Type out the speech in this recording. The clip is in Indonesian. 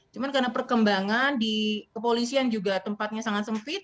cuma karena perkembangan di kepolisian juga tempatnya sangat sempit